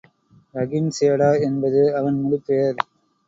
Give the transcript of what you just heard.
ரஹீம்சேடா என்பது அவன் முழுப் பெயர்.